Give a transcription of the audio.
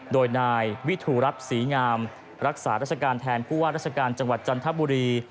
โดยนายวิทูรัฐศรีงามรักษาราชการแทนผู้ว่าราชการจังหวัดจันทบุรี